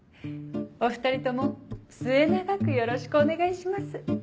お２人とも末永くよろしくお願いします。